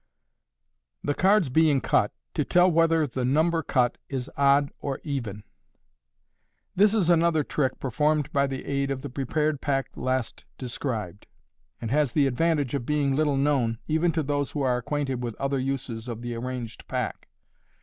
Thb Cards being Cut, to tell whether the Number Cut is Odd or Even.— This is another trick performed by the aid of the prepared pack last described, and has the advantage of being little known, even to those who are acquainted with other uses of the arranged pack.